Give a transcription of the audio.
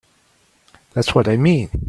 That's what I mean.